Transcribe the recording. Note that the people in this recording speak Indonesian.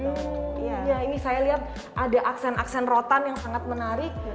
iya ini saya lihat ada aksen aksen rotan yang sangat menarik